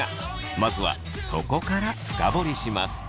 まずはそこから深掘りします。